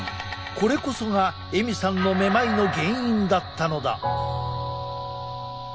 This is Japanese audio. これこそがエミさんのめまいの原因だったのだ。